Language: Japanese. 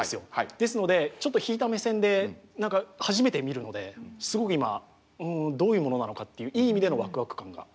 ですのでちょっと引いた目線で初めて見るのですごく今どういうものなのかっていういい意味でのワクワク感があります。